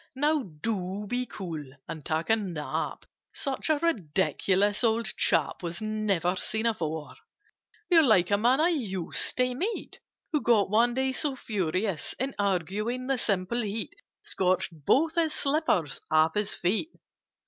Now do be cool and take a nap! Such a ridiculous old chap Was never seen before! "You're like a man I used to meet, Who got one day so furious In arguing, the simple heat Scorched both his slippers off his feet!"